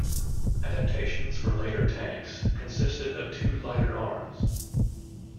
Adaptations for later tanks consisted of two lighter arms.